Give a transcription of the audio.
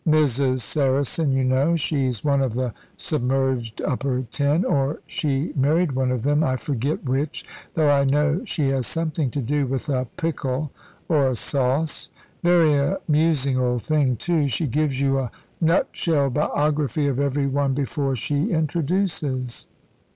Mrs. Saracen, you know she's one of the submerged Upper Ten, or she married one of them; I forget which, though I know she has something to do with a pickle, or a sauce. Very amusing old thing, too. She gives you a nutshell biography of every one before she introduces."